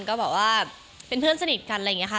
ก็แบบว่าเป็นเพื่อนสนิทกันอะไรอย่างนี้ค่ะ